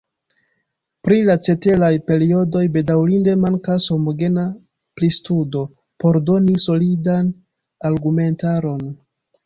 Pri la ceteraj periodoj bedaŭrinde mankas homogena pristudo por doni solidan argumentaron.